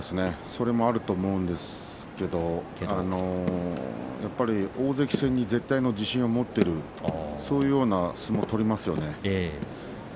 それもあると思いますがやっぱり大関戦に絶対の自信を持っている、そういう相撲を取りますよね。